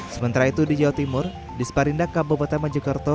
sementara itu di jawa timur di separindak kabupaten majokerto